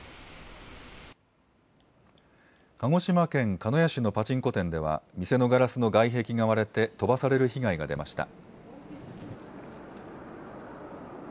鹿児島県鹿屋市のパチンコ店では、店のガラスの外壁が割れて飛ばされる被害が出ました。